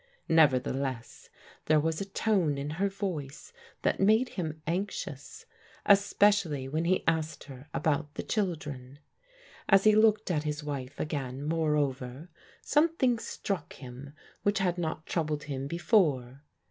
Nevertheless there was a tone in her voice )i3aaX. made him anxiou5, especially when he asked lier ^bout 12 PRODIGAL DAUGHTERS the children. As he looked at his wife again, moreover, something struck him which had not troubled him before.